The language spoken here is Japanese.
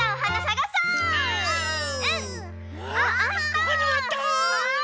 ここにもあった！